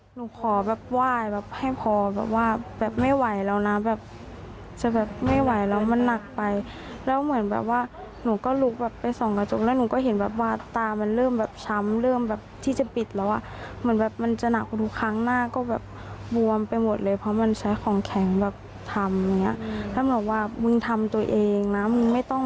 หนูขอแบบไหว้แบบให้พอแบบว่าแบบไม่ไหวแล้วนะแบบจะแบบไม่ไหวแล้วมันหนักไปแล้วเหมือนแบบว่าหนูก็ลุกแบบไปส่องกระจกแล้วหนูก็เห็นแบบว่าตามันเริ่มแบบช้ำเริ่มแบบที่จะปิดแล้วอ่ะเหมือนแบบมันจะหนักกว่าทุกครั้งหน้าก็แบบบวมไปหมดเลยเพราะมันใช้ของแข็งแบบทำอย่างเงี้ยแล้วบอกว่ามึงทำตัวเองนะมึงไม่ต้อง